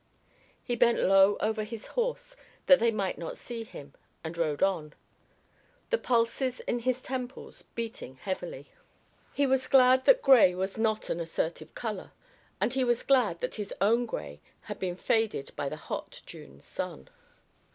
He bent low over his horse that they might not see him, and rode on, the pulses in his temples beating heavily. He was glad that gray was not an assertive color, and he was glad that his own gray had been faded by the hot June sun.